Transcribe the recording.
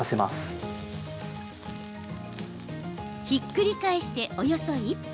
ひっくり返して、およそ１分。